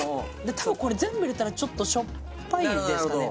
多分これ全部入れたらちょっとしょっぱいですかね